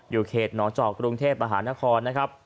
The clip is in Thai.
อยู่เขตหนอจอกกรุงเทพฯอาหารนครนะครับ